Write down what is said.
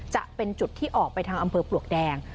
จะเป็นจุดที่ออกไปทางอำเภอปลวกแดง